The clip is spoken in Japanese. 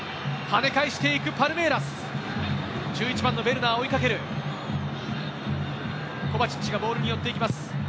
跳ね返して行くパルメイラス、１１番のベルナー追いかける、コバチッチがボールに寄っていきます。